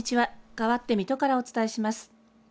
かわって水戸からお伝えします。